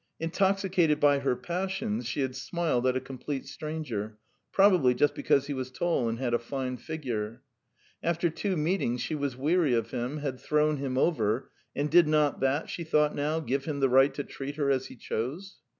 Intoxicated by her passions she had smiled at a complete stranger, probably just because he was tall and a fine figure. After two meetings she was weary of him, had thrown him over, and did not that, she thought now, give him the right to treat her as he chose?